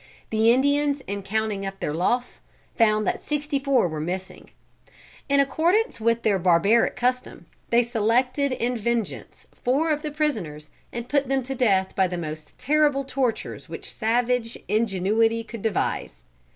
The Indians in counting up their loss, found that sixty four were missing. In accordance with their barbaric custom, they selected in vengeance four of the prisoners and put them to death by the most terrible tortures which savage ingenuity could devise.